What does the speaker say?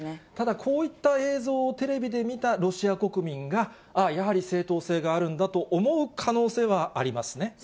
ただ、こういった映像をテレビで見たロシア国民が、ああ、やはり正当性があるんだと思う可能性はありますね。